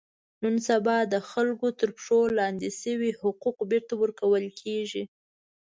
نن سبا د خلکو تر پښو لاندې شوي حقوق بېرته ور کول کېږي.